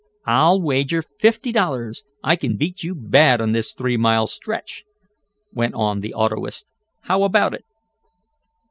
"I'll wager fifty dollars I can beat you bad on this three mile stretch," went on the autoist. "How about it?"